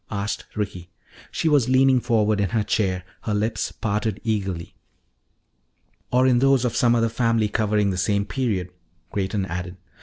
asked Ricky. She was leaning forward in her chair, her lips parted eagerly. "Or in those of some other family covering the same period," Creighton added.